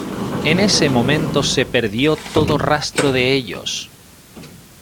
En ese momento se perdió todo rastro de ellos.